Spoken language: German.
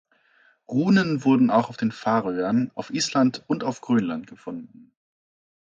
Runen wurden auch auf den Färöern, auf Island und auf Grönland gefunden.